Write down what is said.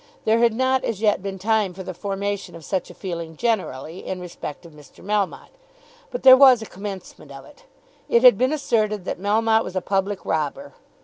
There had not as yet been time for the formation of such a feeling generally, in respect of Mr. Melmotte. But there was a commencement of it. It had been asserted that Melmotte was a public robber.